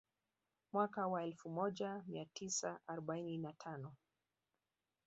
Mwaka wa elfu moja mia tisa arobaini na tano